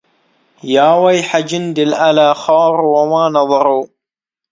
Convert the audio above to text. يا ويح جندي الألى خاروا وما نظروا